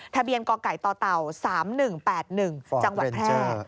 ทะเบียนกอกไก่ต่อเต่า๓๑๘๑จังหวัดแพร่